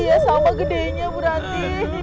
iya sama gedenya bu ranti